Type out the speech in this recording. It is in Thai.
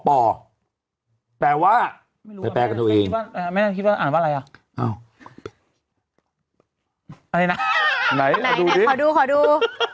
ปแปลว่าแปลกันตัวเองไม่ได้คิดว่าอ่านว่าอะไรอ่ะเอาอะไรนะไหนไหนขอดูขอดู